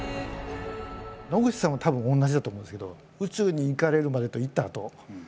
野口さんもたぶん同じだと思うんですけど宇宙に行かれるまでと行ったあと。